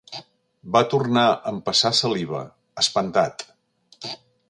Va tornar a empassar saliva, espantat.